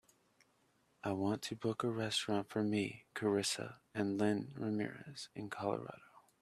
I want to book a restaurant for me, carissa and lynn ramirez in Colorado.